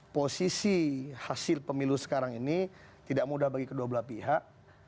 posisi hasil pemilu sekarang ini tidak mudah bagi kedua belah pihak